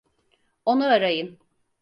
Onu arayın.